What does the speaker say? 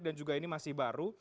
dan juga ini masih baru